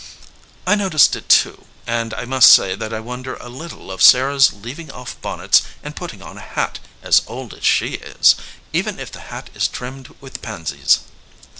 "I noticed it, too, and I must say that I wonder a little at Sarah s leaving off bonnets and putting on a hat, as old as she is, even if the hat is trimmed with pansies."